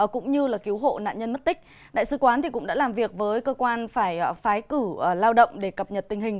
cũng như cứu hộ nạn nhân mất tích đại sứ quán cũng đã làm việc với cơ quan phải phái cử lao động để cập nhật tình hình